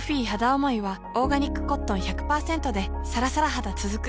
おもいはオーガニックコットン １００％ でさらさら肌つづく